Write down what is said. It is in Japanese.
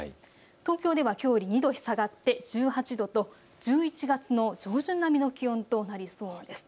東京ではきょうより２度下がって１８度と１１月の上旬並みの気温となりそうです。